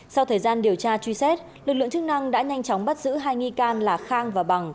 sau thời gian điều tra truy xét lực lượng chức năng đã nhanh chóng bắt giữ hai nghi can là khang và bằng